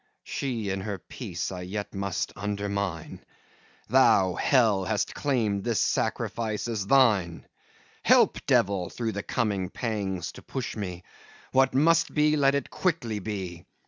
She and her peace I yet must undermine: Thou, Hell, hast claimed this sacrifice as thine! Help, Devil! through the coming pangs to push me; What must be, let it quickly be!